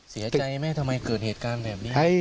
เสียใจไหมทำไมเกิดเหตุการณ์แบบนี้